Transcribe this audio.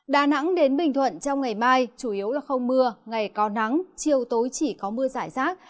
đà nẵng đến bình thuận trong ngày mai chủ yếu là không mưa ngày có nắng chiều tối chỉ có mưa giải rác